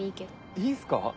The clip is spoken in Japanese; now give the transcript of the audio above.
いいんすか？